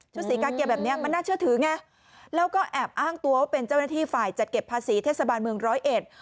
สีกาเกียแบบเนี้ยมันน่าเชื่อถือไงแล้วก็แอบอ้างตัวว่าเป็นเจ้าหน้าที่ฝ่ายจัดเก็บภาษีเทศบาลเมืองร้อยเอ็ด